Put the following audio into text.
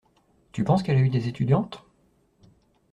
Tu penses qu'elle a eu des étudiantes?